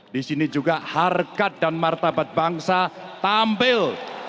disini juga harkat dan martabat bangsa tampil